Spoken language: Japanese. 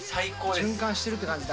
循環してるって感じだ。